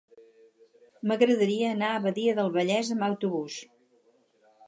M'agradaria anar a Badia del Vallès amb autobús.